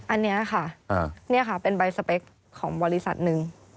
อันนี้ค่ะนี่ค่ะเป็นใบสเปคของบริษัทหนึ่ง